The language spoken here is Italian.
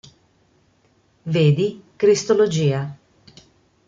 Vedi Cristologia.